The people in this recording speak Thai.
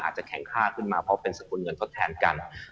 อาจจะแข็งค่าขึ้นมาเพราะเป็นสกุลเงินทดแทนกัน